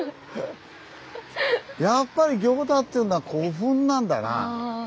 やっぱり行田っていうのは古墳なんだな。